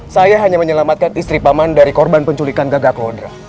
saya hanya menyelamatkan istri paman dari korban penculikan gagah kodra